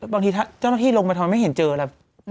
บางทีเจ้าหน้าที่ลงไปทำไมไม่เห็นเจอแล้ว